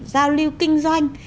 giao lưu kinh doanh